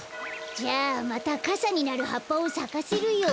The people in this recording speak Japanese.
じゃあまたかさになるはっぱをさかせるよ。